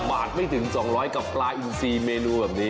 บาทไม่ถึง๒๐๐กับปลาอินซีเมนูแบบนี้